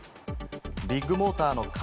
ビッグモーターの兼